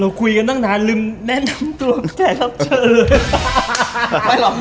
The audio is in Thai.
เราคุยกันตั้งนานทำเจ้าลึมแนะนำตัวแนะนำตัว